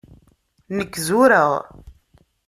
Nekk zureɣ.